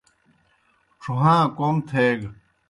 ڇُھواں کوْم تھیگہ۔